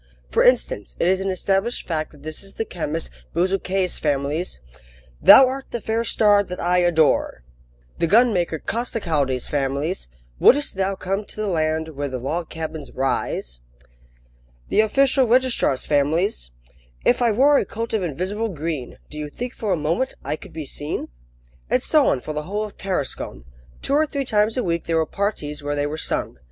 For instance, it is an established fact that this is the chemist Bezuquet's family's: "Thou art the fair star that I adore!" The gunmaker Costecalde's family's: "Would'st thou come to the land Where the log cabins rise?" The official registrar's family's: "If I wore a coat of invisible green, Do you think for a moment I could be seen?" And so on for the whole of Tarascon. Two or three times a week there were parties where they were sung.